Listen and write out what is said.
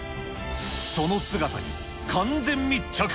その姿に完全密着。